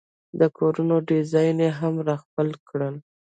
د کورونو ډیزاین یې هم را خپل کړل.